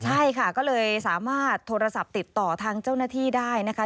ใช่ค่ะก็เลยสามารถโทรศัพท์ติดต่อทางเจ้าหน้าที่ได้นะคะ